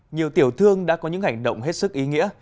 nhiều tiểu thương đã có những hành động hết sức ý nghĩa